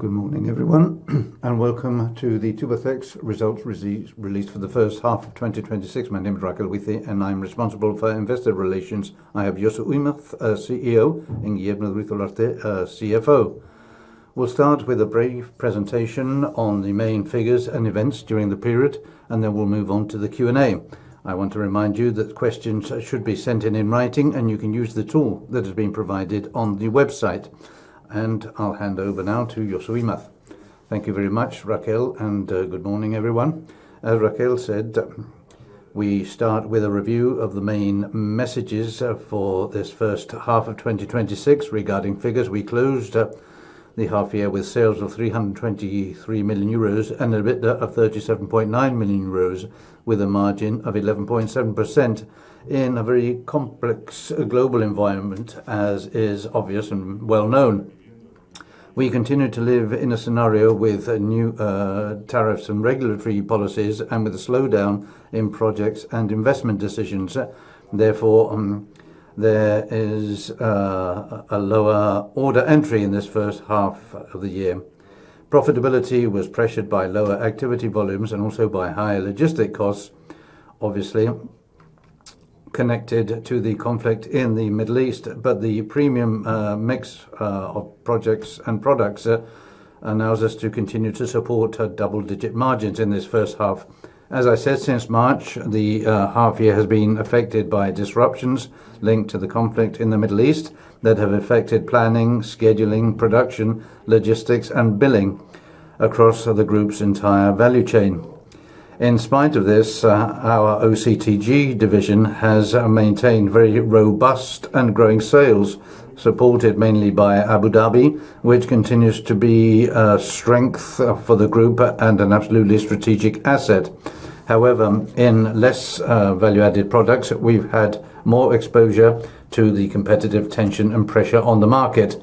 Good morning, everyone, and welcome to the Tubacex results release for the first half of 2026. My name is Raquel Ruiz, and I'm responsible for Investor Relations. I have Josu Imaz, CEO, and Guillermo Ruiz-Longarte, CFO. We'll start with a brief presentation on the main figures and events during the period, then we'll move on to the Q&A. I want to remind you that questions should be sent in writing, and you can use the tool that has been provided on the website. I'll hand over now to Josu Imaz. Thank you very much, Raquel, and good morning, everyone. As Raquel said, we start with a review of the main messages for this first half of 2026. Regarding figures, we closed the half year with sales of 323 million euros and EBITDA of 37.9 million euros, with a margin of 11.7% in a very complex global environment, as is obvious and well known. We continue to live in a scenario with new tariffs and regulatory policies, with a slowdown in projects and investment decisions. Therefore, there is a lower order entry in this first half of the year. Profitability was pressured by lower activity volumes and also by higher logistic costs, obviously, connected to the conflict in the Middle East. The premium mix of projects and products allows us to continue to support double-digit margins in this first half. As I said, since March, the half year has been affected by disruptions linked to the conflict in the Middle East that have affected planning, scheduling, production, logistics, and billing across the group's entire value chain. In spite of this, our OCTG division has maintained very robust and growing sales, supported mainly by Abu Dhabi, which continues to be a strength for the group and an absolutely strategic asset. However, in less value-added products, we've had more exposure to the competitive tension and pressure on the market.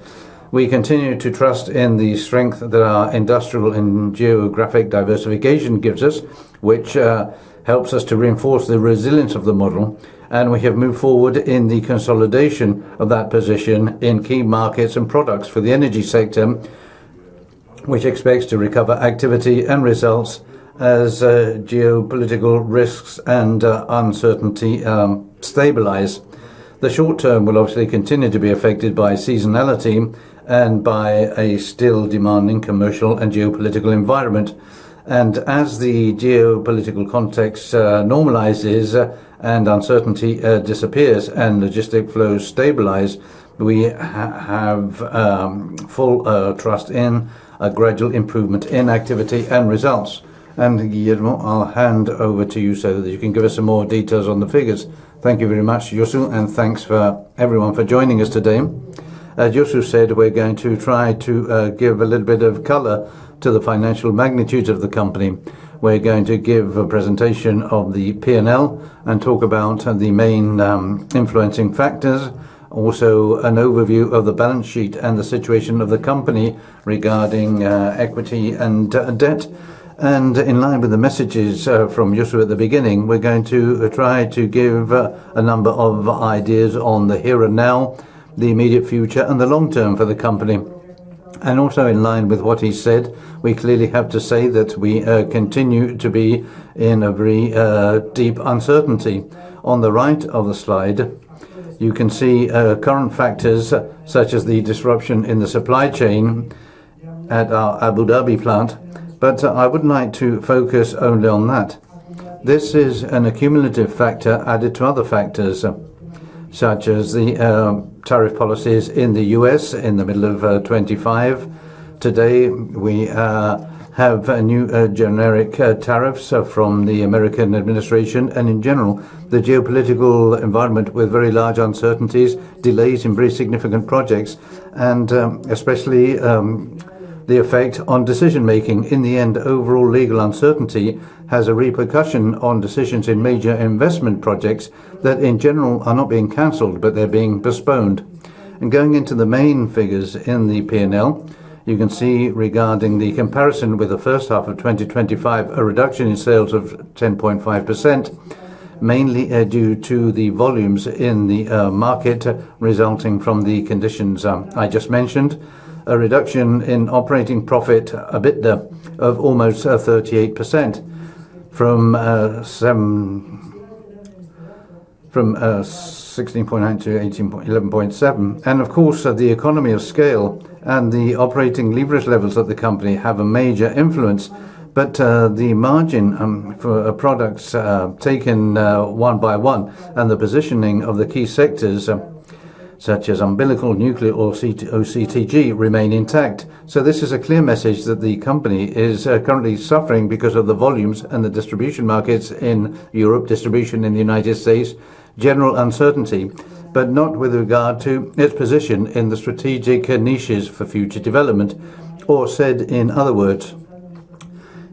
We continue to trust in the strength that our industrial and geographic diversification gives us, which helps us to reinforce the resilience of the model, we have moved forward in the consolidation of that position in key markets and products for the energy sector, which expects to recover activity and results as geopolitical risks and uncertainty stabilize. The short-term will obviously continue to be affected by seasonality and by a still demanding commercial and geopolitical environment. As the geopolitical context normalizes and uncertainty disappears and logistic flows stabilize, we have full trust in a gradual improvement in activity and results. Guillermo, I'll hand over to you so that you can give us some more details on the figures. Thank you very much, Josu, and thanks, everyone, for joining us today. As Josu said, we're going to try to give a little bit of color to the financial magnitude of the company. We're going to give a presentation of the P&L and talk about the main influencing factors, also an overview of the balance sheet and the situation of the company regarding equity and debt. In line with the messages from Josu at the beginning, we're going to try to give a number of ideas on the here and now, the immediate future, and the long-term for the company. Also in line with what he said, we clearly have to say that we continue to be in a very deep uncertainty. On the right of the slide, you can see current factors such as the disruption in the supply chain at our Abu Dhabi plant. But I would like to focus only on that. This is an accumulative factor added to other factors, such as the tariff policies in the U.S. in the middle of 2025. Today, we have new generic tariffs from the American administration and in general, the geopolitical environment with very large uncertainties, delays in very significant projects, and especially the effect on decision-making. In the end, overall legal uncertainty has a repercussion on decisions in major investment projects that, in general, are not being canceled, but they're being postponed. Going into the main figures in the P&L, you can see regarding the comparison with the first half of 2025, a reduction in sales of 10.5%, mainly due to the volumes in the market resulting from the conditions I just mentioned. A reduction in operating profit, EBITDA, of almost 38% from 16.9% to 11.7%. Of course, the economy of scale and the operating leverage levels of the company have a major influence. The margin for products taken one by one and the positioning of the key sectors, such as umbilical, nuclear, or OCTG, remain intact. This is a clear message that the company is currently suffering because of the volumes and the distribution markets in Europe, distribution in the United States, general uncertainty, but not with regard to its position in the strategic niches for future development. Said in other words,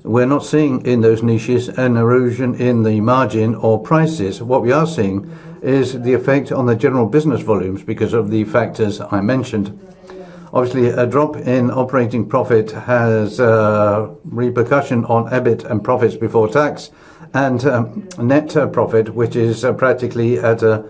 we're not seeing in those niches an erosion in the margin or prices. What we are seeing is the effect on the general business volumes because of the factors I mentioned. Obviously, a drop in operating profit has a repercussion on EBIT and profits before tax and net profit, which is practically at a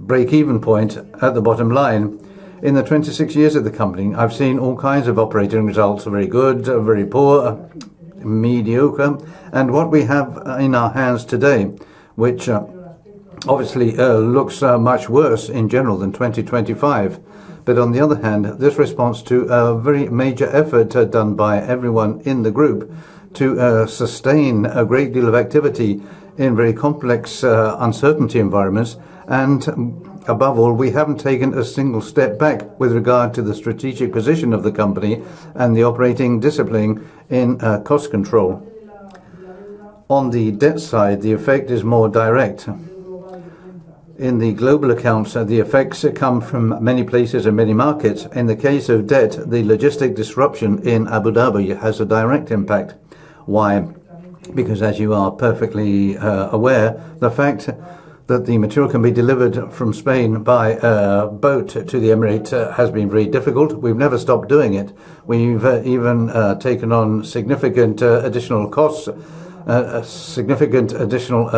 break-even point at the bottom line. In the 26 years of the company, I've seen all kinds of operating results, very good, very poor, mediocre. What we have in our hands today, which obviously looks much worse in general than 2025. On the other hand, this responds to a very major effort done by everyone in the group to sustain a great deal of activity in very complex uncertainty environments. Above all, we haven't taken a single step back with regard to the strategic position of the company and the operating discipline in cost control. On the debt side, the effect is more direct. In the global accounts, the effects come from many places and many markets. In the case of debt, the logistic disruption in Abu Dhabi has a direct impact. Why? Because as you are perfectly aware, the fact that the material can be delivered from Spain by boat to the Emirate has been very difficult. We've never stopped doing it. We've even taken on significant additional costs, significant additional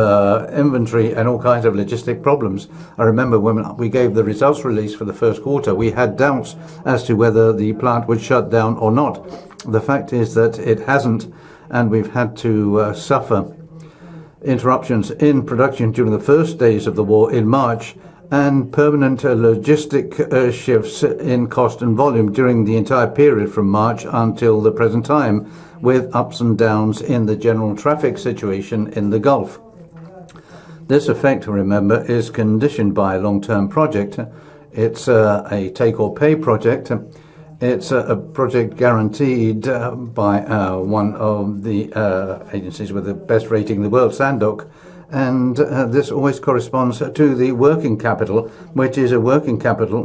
inventory, and all kinds of logistic problems. I remember when we gave the results release for the first quarter, we had doubts as to whether the plant would shut down or not. The fact is that it hasn't. We've had to suffer interruptions in production during the first days of the war in March, and permanent logistic shifts in cost and volume during the entire period from March until the present time, with ups and downs in the general traffic situation in the Gulf. This effect, remember, is conditioned by a long-term project. It's a take-or-pay project. It's a project guaranteed by one of the agencies with the best rating in the world, [Sandock]. This always corresponds to the working capital, which is a working capital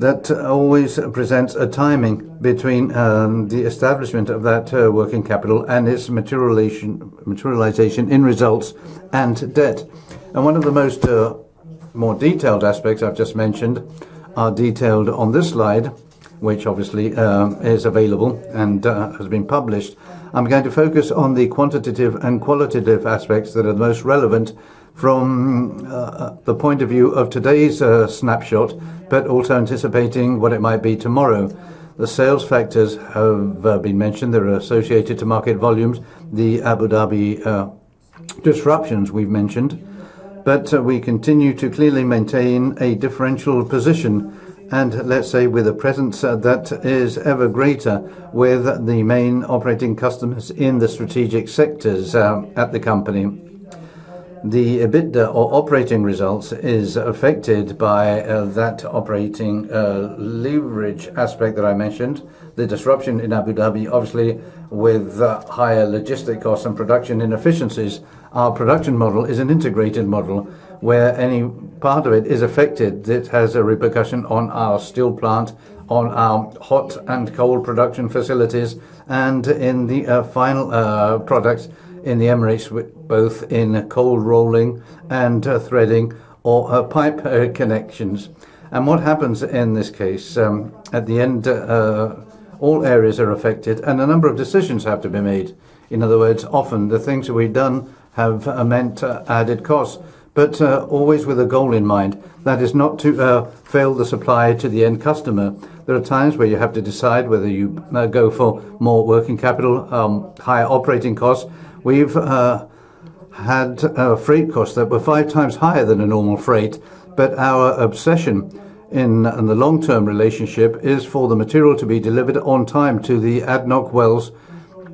that always presents a timing between the establishment of that working capital and its materialization in results and debt. One of the most more detailed aspects I've just mentioned are detailed on this slide, which obviously is available and has been published. I'm going to focus on the quantitative and qualitative aspects that are most relevant from the point of view of today's snapshot, also anticipating what it might be tomorrow. The sales factors have been mentioned. They're associated to market volumes, the Abu Dhabi disruptions we've mentioned. We continue to clearly maintain a differential position and, let's say, with a presence that is ever greater with the main operating customers in the strategic sectors at the company. The EBITDA or operating results is affected by that operating leverage aspect that I mentioned. The disruption in Abu Dhabi, obviously, with higher logistic costs and production inefficiencies. Our production model is an integrated model where any part of it is affected. It has a repercussion on our steel plant, on our hot and cold production facilities, in the final product in the Emirates, both in cold rolling and threading or pipe connections. What happens in this case? At the end, all areas are affected, a number of decisions have to be made. In other words, often the things that we've done have meant added cost, always with a goal in mind. That is not to fail the supply to the end customer. There are times where you have to decide whether you go for more working capital, higher operating costs. We've had freight costs that were five times higher than a normal freight, our obsession in the long-term relationship is for the material to be delivered on time to the ADNOC wells,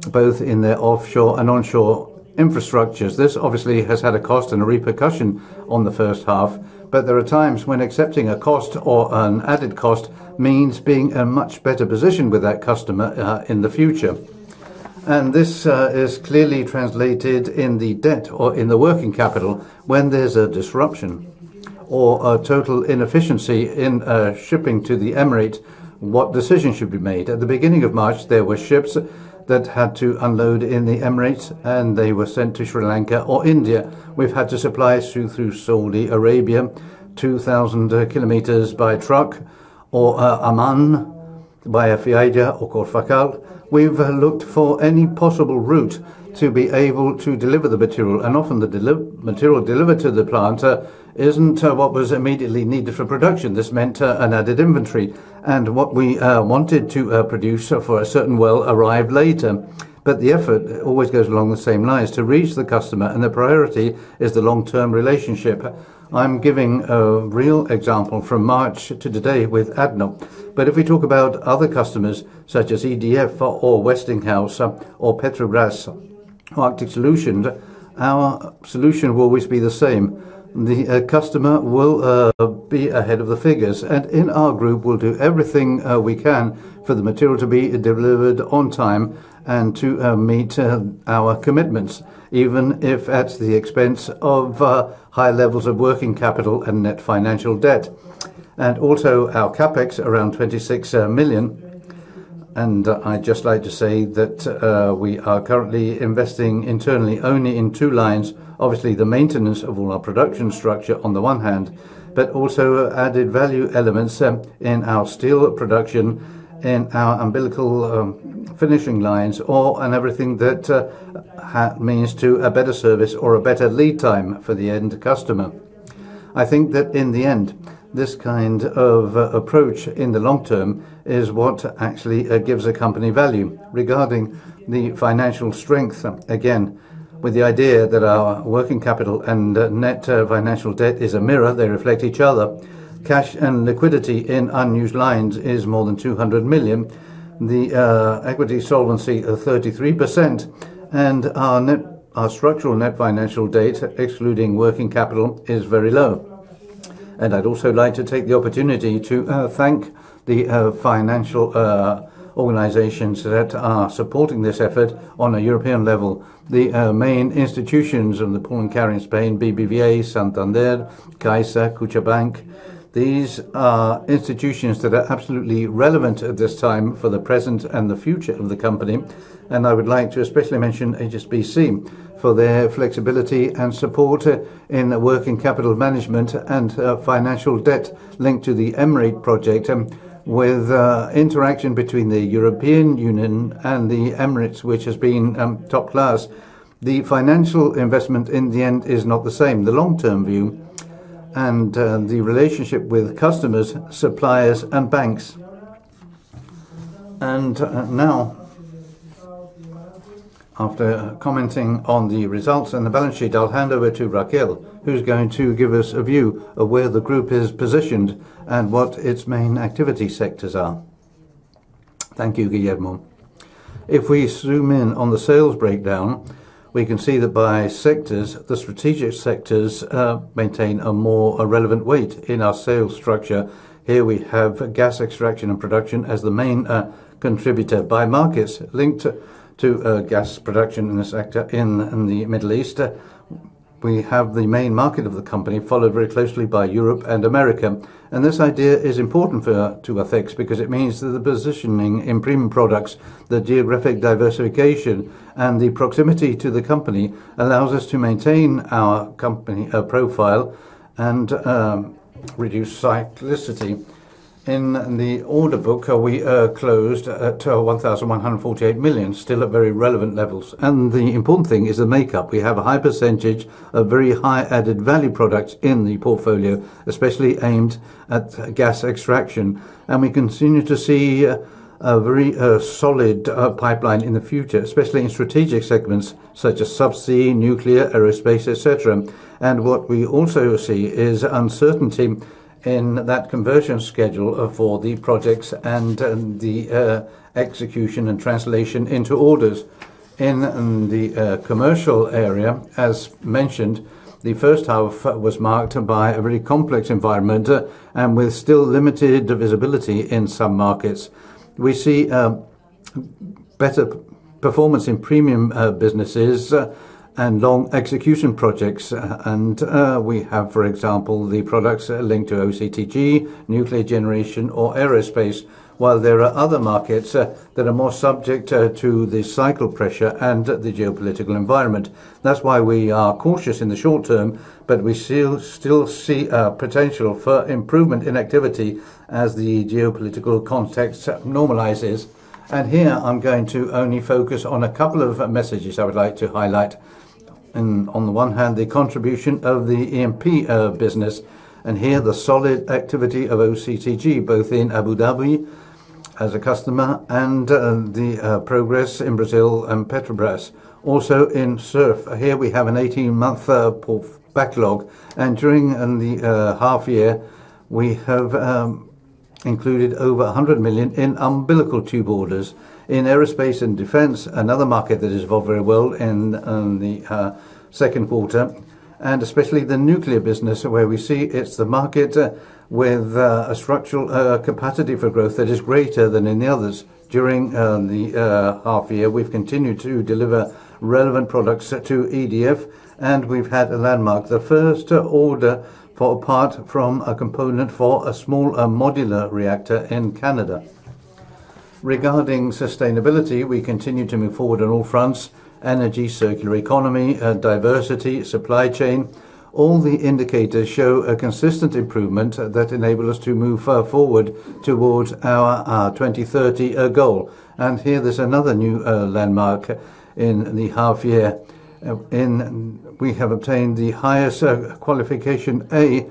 both in their offshore and onshore infrastructures. This obviously has had a cost and a repercussion on the first half, there are times when accepting a cost or an added cost means being in a much better position with that customer in the future. This is clearly translated in the debt or in the working capital when there's a disruption or a total inefficiency in shipping to the Emirates. What decision should be made? At the beginning of March, there were ships that had to unload in the Emirates, they were sent to Sri Lanka or India. We've had to supply through Saudi Arabia, 2,000 km by truck, or Oman via Fujairah or Khor Fakkan. We've looked for any possible route to be able to deliver the material, often the material delivered to the plant isn't what was immediately needed for production. This meant an added inventory, and what we wanted to produce for a certain well arrived later. The effort always goes along the same lines, to reach the customer, and the priority is the long-term relationship. I'm giving a real example from March to today with ADNOC. If we talk about other customers such as EDF or Westinghouse or Petrobras, Arctic-Solutions, our solution will always be the same. The customer will be ahead of the figures. In our group, we'll do everything we can for the material to be delivered on time and to meet our commitments, even if at the expense of high levels of working capital and net financial debt. Also our CapEx, around 26 million. I'd just like to say that we are currently investing internally only in two lines. Obviously, the maintenance of all our production structure on the one hand, but also added value elements in our steel production, in our umbilical finishing lines, and everything that means to a better service or a better lead time for the end customer. I think that in the end, this kind of approach in the long term is what actually gives a company value. Regarding the financial strength, again, with the idea that our working capital and net financial debt is a mirror, they reflect each other. Cash and liquidity in unused lines is more than 200 million. The equity solvency of 33% and our structural net financial debt, excluding working capital, is very low. I'd also like to take the opportunity to thank the financial organizations that are supporting this effort on a European level. The main institutions of the in Spain, BBVA, Banco Santander, CaixaBank, Kutxabank. These are institutions that are absolutely relevant at this time for the present and the future of the company. I would like to especially mention HSBC for their flexibility and support in the working capital management and financial debt linked to the Emirate project, with interaction between the European Union and the Emirates, which has been top class. The financial investment in the end is not the same. The long-term view and the relationship with customers, suppliers, and banks. Now, after commenting on the results and the balance sheet, I'll hand over to Raquel, who's going to give us a view of where the group is positioned and what its main activity sectors are. Thank you, Guillermo. If we zoom in on the sales breakdown, we can see that by sectors, the strategic sectors maintain a more relevant weight in our sales structure. Here we have gas extraction and production as the main contributor. By markets linked to gas production in the sector in the Middle East, we have the main market of the company followed very closely by Europe and America. This idea is important to effects because it means that the positioning in premium products, the geographic diversification, and the proximity to the company allows us to maintain our company profile and reduce cyclicity. In the order book, we closed at 1,148 million, still at very relevant levels. The important thing is the makeup. We have a high percentage of very high added value products in the portfolio, especially aimed at gas extraction. We continue to see a very solid pipeline in the future, especially in strategic segments such as subsea, nuclear, aerospace, et cetera. What we also see is uncertainty in that conversion schedule for the projects and the execution and translation into orders. In the commercial area, as mentioned, the first half was marked by a very complex environment and with still limited visibility in some markets. We see better performance in premium businesses and long execution projects. We have, for example, the products linked to OCTG, nuclear generation or aerospace, while there are other markets that are more subject to the cycle pressure and the geopolitical environment. That's why we are cautious in the short term, but we still see a potential for improvement in activity as the geopolitical context normalizes. Here I'm going to only focus on a couple of messages I would like to highlight. On the one hand, the contribution of the E&P business, here the solid activity of OCTG, both in Abu Dhabi as a customer and the progress in Brazil and Petrobras. Also in SURF. Here we have an 18-month backlog, during the half year, we have included over 100 million in umbilical tube orders. In aerospace and defense, another market that has evolved very well in the second quarter, especially the nuclear business, where we see it's the market with a structural capacity for growth that is greater than any others. During the half year, we've continued to deliver relevant products to EDF, we've had a landmark, the first order for a part from a component for a Small Modular Reactor in Canada. Regarding sustainability, we continue to move forward on all fronts, energy, circular economy, diversity, supply chain. All the indicators show a consistent improvement that enable us to move forward towards our 2030 goal. Here there's another new landmark in the half year. We have obtained the highest qualification, A,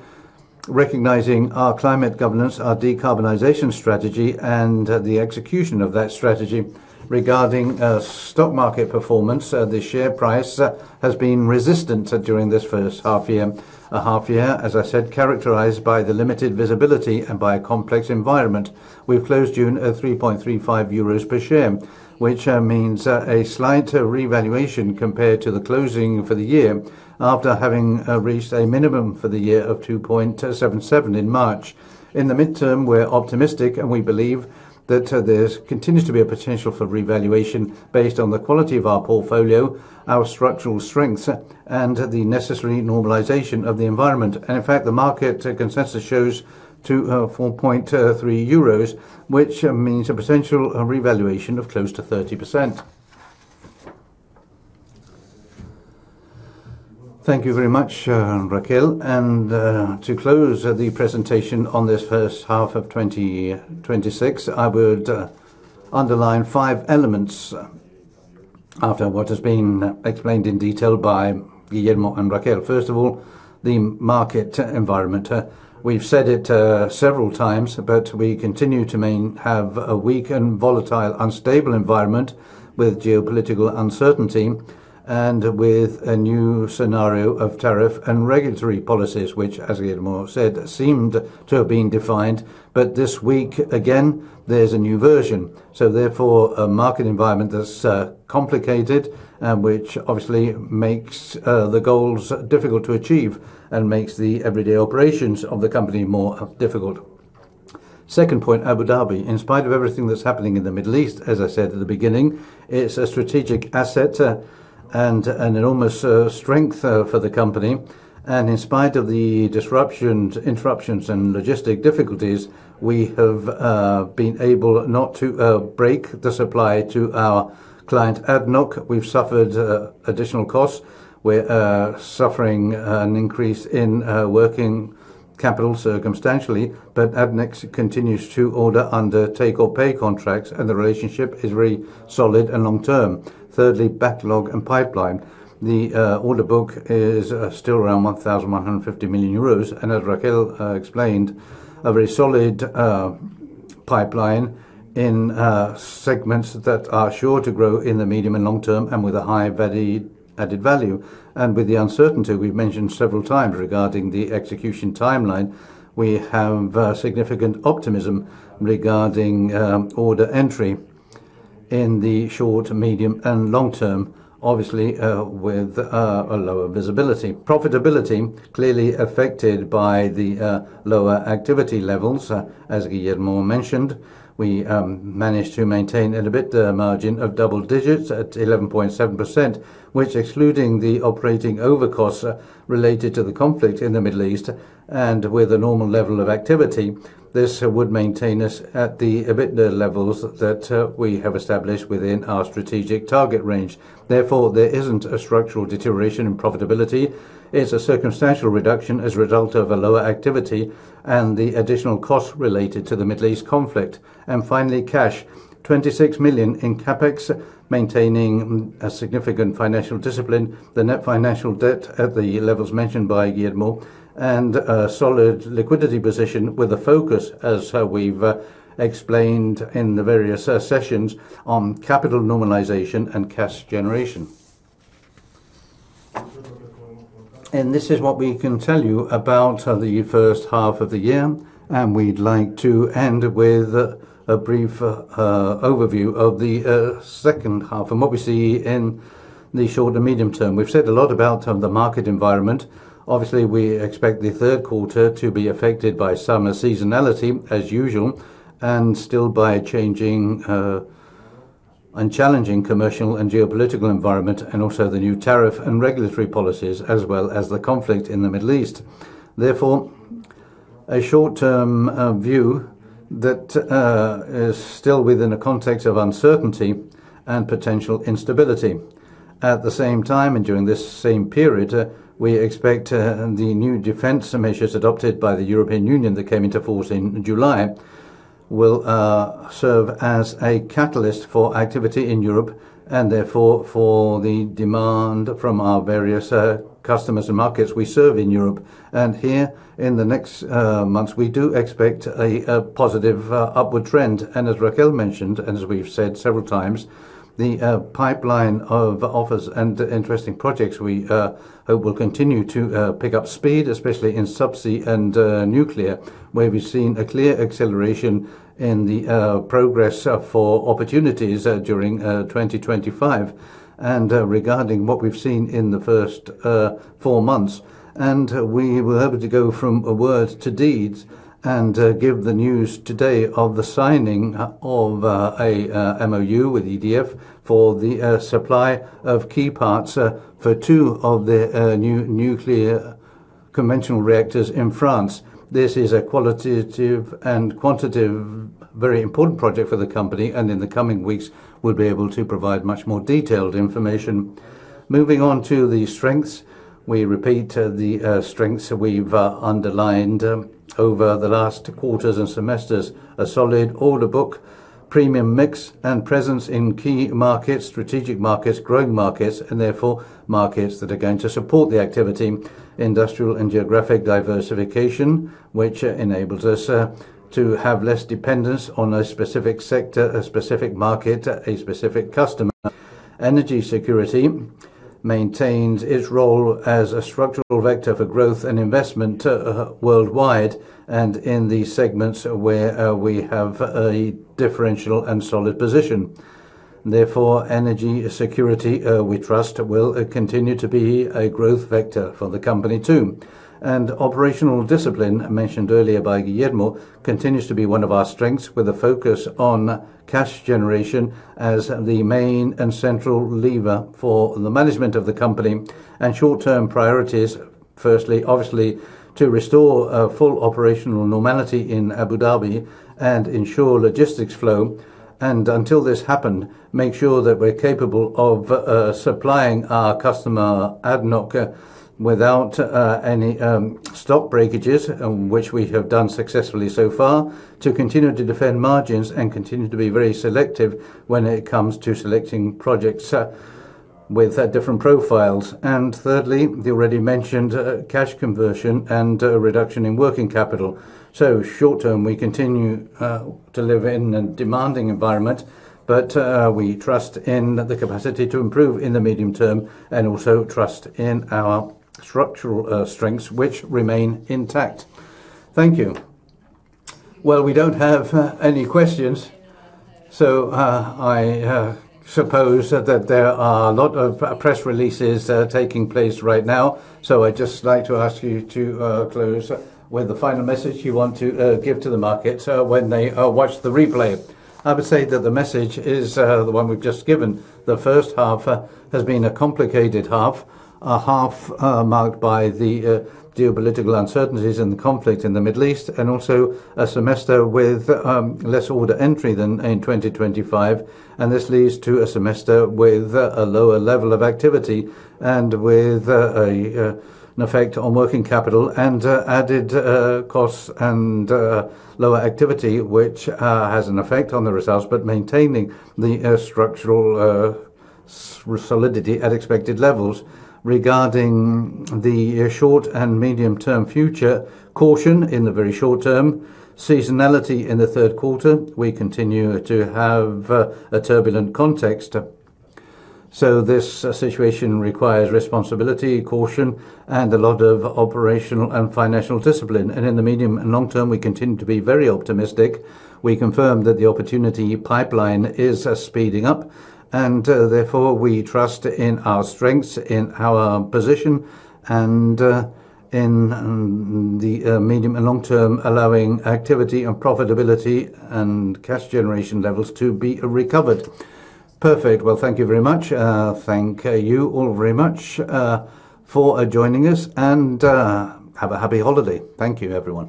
recognizing our climate governance, our decarbonization strategy, and the execution of that strategy. Regarding stock market performance, the share price has been resistant during this first half year. A half year, as I said, characterized by the limited visibility and by a complex environment. We've closed June at 3.35 euros per share, which means a slight revaluation compared to the closing for the year after having reached a minimum for the year of 2.77 in March. In the midterm, we're optimistic, we believe that there continues to be a potential for revaluation based on the quality of our portfolio, our structural strengths, and the necessary normalization of the environment. In fact, the market consensus shows 4.3 euros, which means a potential revaluation of close to 30%. Thank you very much, Raquel. To close the presentation on this first half of 2026, I would underline five elements. After what has been explained in detail by Guillermo and Raquel. First of all, the market environment. We've said it several times, we continue to have a weak and volatile, unstable environment with geopolitical uncertainty and with a new scenario of tariff and regulatory policies, which, as Guillermo said, seemed to have been defined. This week, again, there's a new version. A market environment that's complicated and which obviously makes the goals difficult to achieve and makes the everyday operations of the company more difficult. Second point, Abu Dhabi. In spite of everything that's happening in the Middle East, as I said at the beginning, it's a strategic asset and an enormous strength for the company. In spite of the disruptions, interruptions, and logistic difficulties, we have been able not to break the supply to our client, ADNOC. We've suffered additional costs. We're suffering an increase in working capital circumstantially, but ADNOC continues to order under take-or-pay contracts, and the relationship is very solid and long-term. Thirdly, backlog and pipeline. The order book is still around 1,150 million euros, and as Raquel explained, a very solid pipeline in segments that are sure to grow in the medium and long term and with a high added value. With the uncertainty we've mentioned several times regarding the execution timeline, we have significant optimism regarding order entry in the short, medium, and long term, obviously, with a lower visibility. Profitability clearly affected by the lower activity levels, as Guillermo mentioned. We managed to maintain an EBITDA margin of double digits at 11.7%, which excluding the operating overcosts related to the conflict in the Middle East and with a normal level of activity, this would maintain us at the EBITDA levels that we have established within our strategic target range. Therefore, there isn't a structural deterioration in profitability. It's a circumstantial reduction as a result of a lower activity and the additional costs related to the Middle East conflict. Finally, cash. 26 million in CapEx, maintaining a significant financial discipline, the net financial debt at the levels mentioned by Guillermo, and a solid liquidity position with a focus, as we've explained in the various sessions, on capital normalization and cash generation. This is what we can tell you about the first half of the year, and we'd like to end with a brief overview of the second half and what we see in the short and medium term. We've said a lot about the market environment. Obviously, we expect the third quarter to be affected by summer seasonality as usual, and still by changing and challenging commercial and geopolitical environment and also the new tariff and regulatory policies, as well as the conflict in the Middle East. Therefore, a short-term view that is still within a context of uncertainty and potential instability. At the same time and during this same period, we expect the new defense measures adopted by the European Union that came into force in July will serve as a catalyst for activity in Europe and therefore for the demand from our various customers and markets we serve in Europe. Here, in the next months, we do expect a positive upward trend. As Raquel mentioned, and as we've said several times, the pipeline of offers and interesting projects we hope will continue to pick up speed, especially in subsea and nuclear, where we've seen a clear acceleration in the progress for opportunities during 2025. Regarding what we've seen in the first four months, and we were able to go from words to deeds and give the news today of the signing of a MoU with EDF for the supply of key parts for two of the new nuclear conventional reactors in France. This is a qualitative and quantitative, very important project for the company, and in the coming weeks, we'll be able to provide much more detailed information. Moving on to the strengths. We repeat the strengths we've underlined over the last quarters and semesters. A solid order book, premium mix, and presence in key markets, strategic markets, growing markets, and therefore markets that are going to support the activity. Industrial and geographic diversification, which enables us to have less dependence on a specific sector, a specific market, a specific customer. Energy security maintains its role as a structural vector for growth and investment worldwide and in the segments where we have a differential and solid position. Therefore, energy security, we trust, will continue to be a growth vector for the company too. And operational discipline, mentioned earlier by Guillermo, continues to be one of our strengths with a focus on cash generation as the main and central lever for the management of the company. And short-term priorities, firstly, obviously, to restore full operational normality in Abu Dhabi and ensure logistics flow. And until this happen, make sure that we're capable of supplying our customer, ADNOC, without any stock breakages, which we have done successfully so far. To continue to defend margins and continue to be very selective when it comes to selecting projects with different profiles. And thirdly, the already mentioned cash conversion and reduction in working capital. Short term, we continue to live in a demanding environment, but we trust in the capacity to improve in the medium term and also trust in our structural strengths, which remain intact. Thank you. Well, we don't have any questions, so I suppose that there are a lot of press releases taking place right now. I'd just like to ask you to close with the final message you want to give to the market when they watch the replay. I would say that the message is the one we've just given. The first half has been a complicated half, a half marked by the geopolitical uncertainties and the conflict in the Middle East, and also a semester with less order entry than in 2025, and this leads to a semester with a lower level of activity and with an effect on working capital and added costs and lower activity, which has an effect on the results, but maintaining the structural solidity at expected levels. Regarding the short and medium term future, caution in the very short term, seasonality in the third quarter. We continue to have a turbulent context. This situation requires responsibility, caution, and a lot of operational and financial discipline. In the medium and long term, we continue to be very optimistic. We confirm that the opportunity pipeline is speeding up, and therefore we trust in our strengths, in our position, and in the medium and long term, allowing activity and profitability and cash generation levels to be recovered. Perfect. Well, thank you very much. Thank you all very much for joining us, and have a happy holiday. Thank you, everyone.